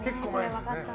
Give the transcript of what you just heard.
分かったの。